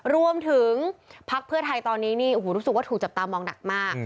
พักเพื่อไทยตอนนี้นี่รู้สึกว่าถูกจับตามองหนักมาก